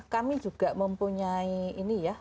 kami juga mempunyai ini ya